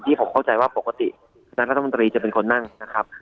ผมเข้าใจว่าปกติคณะรัฐมนตรีจะเป็นคนนั่งนะครับ